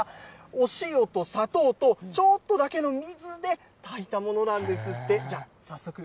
お塩と砂糖とちょっとだけの水で炊いたものなんですって。